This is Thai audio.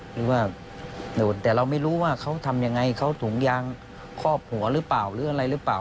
หรือว่าโดนแต่เราไม่รู้ว่าเขาทำยังไงเขาถุงยางครอบหัวหรือเปล่าหรืออะไรหรือเปล่า